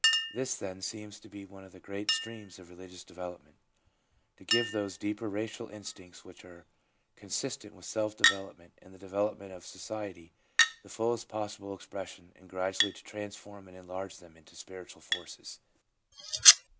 This, then, seems to be one of the great streams of religious development, to give those deeper racial instincts which are consistent with self development and the development of society the fullest possible expres sion, and gradually to transform and enlarge them into spiritual forces.